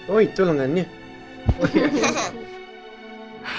oh itu langannya